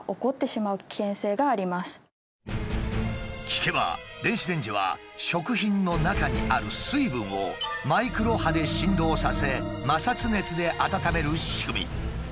聞けば電子レンジは食品の中にある水分をマイクロ波で振動させ摩擦熱で温める仕組み。